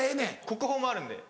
国宝もあるんで。